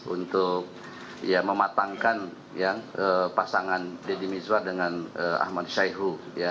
untuk mematangkan pasangan deddy mizwar dengan ahmad syaihu